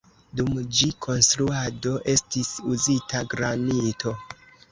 Dum ĝi konstruado estis uzita granito.